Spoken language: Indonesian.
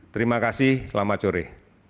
terima kasih selamat sore